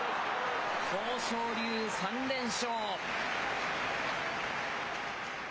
豊昇龍、３連勝。